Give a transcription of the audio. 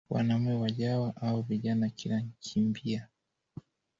wanaume wajawa au vijana kila kimbia